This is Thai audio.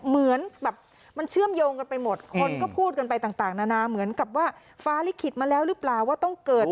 เหมือนแบบมันเชื่อมโยงกันไปหมดคนก็พูดกันไปต่างนานาเหมือนกับว่าฟ้าลิขิตมาแล้วหรือเปล่าว่าต้องเกิด